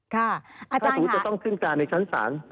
ครับอาจารย์คะสติธุจะต้องขึ้นการในชั้นศาล